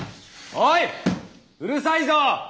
・おいうるさいぞッ！